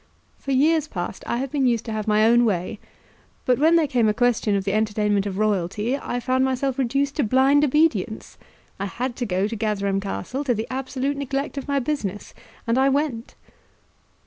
For years past I have been used to have my own way, but when there came a question of the entertainment of royalty I found myself reduced to blind obedience. I had to go to Gatherum Castle, to the absolute neglect of my business; and I went."